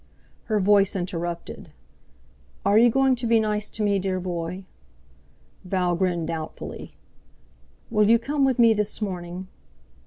Her voice interrupted "Are you going to be nice to me, dear boy?" Val grinned doubtfully. "Will you come with me this morning...."